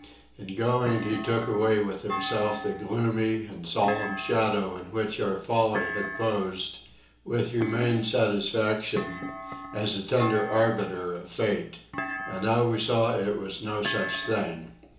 In going he took away with himself the gloomy and solemn shadow in which our folly had posed, with humane satisfaction, as a tender arbiter of fate. And now we saw it was no such thing.